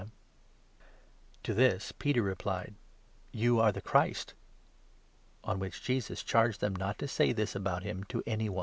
" W Jcr. $. ai. MARK, 8—9. 21 To this Peter replied : "You are the Christ." On which J esus charged them not to say this about him to any one.